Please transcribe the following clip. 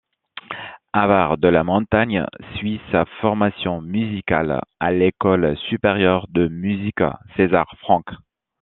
Havard de la Montagne suit sa formation musicale à l'École supérieure de musique César-Franck.